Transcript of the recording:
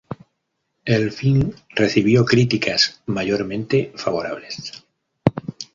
El film recibió críticas mayormente favorables.